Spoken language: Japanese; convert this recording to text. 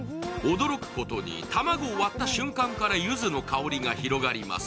驚くことに、卵を割った瞬間からゆずの香りが広がります。